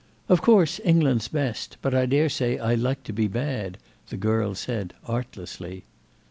"Of course England's best, but I daresay I like to be bad," the girl said artlessly.